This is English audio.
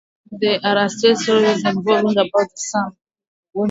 They are asteroids revolving about the sun.